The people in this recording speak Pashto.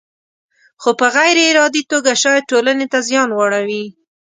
خو په غیر ارادي توګه شاید ټولنې ته زیان واړوي.